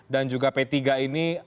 dan juga p tiga ini